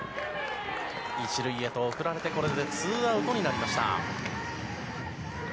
１塁へと送られて、これでツーアウトになりました。